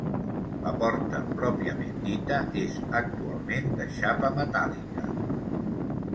La porta pròpiament dita és actualment de xapa metàl·lica.